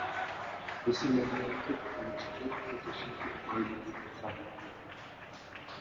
This eliminated almost all opposition to the Romans in southern Gaul.